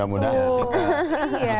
harusnya seperti itu